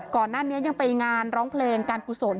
ก่อนหน้านี้ยังไปงานร้องเพลงการกุศล